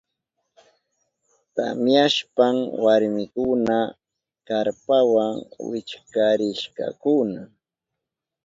Tamyashpan warmikunaka karpawa wichkarishkakuna.